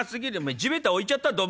地べた置いちゃった丼。